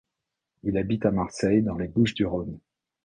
Il habite à Marseille dans les Bouches-du-Rhône.